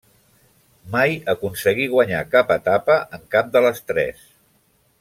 Mai aconseguí guanyar cap etapa en cap de les tres.